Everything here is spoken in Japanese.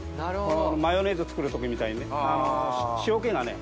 マヨネーズ作る時みたいにね。